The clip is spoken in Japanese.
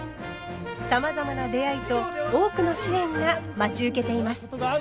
さまざまな出会いと多くの試練が待ち受けています。